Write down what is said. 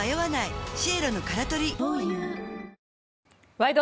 「ワイド！